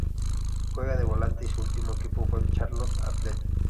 Juega de volante y su último equipo fue el Charlton Athletic.